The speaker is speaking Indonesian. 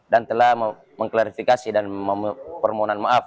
dan telah mengklarifikasi dan mempermohon maaf